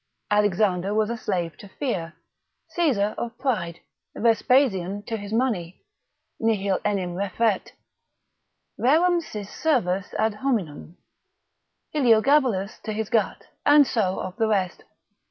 Alexander was a slave to fear, Caesar of pride, Vespasian to his money (nihil enim refert, rerum sis servus an hominum), Heliogabalus to his gut, and so of the rest.